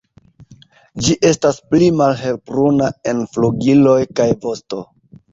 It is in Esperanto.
Ĝi estas pli malhelbruna en flugiloj kaj vosto.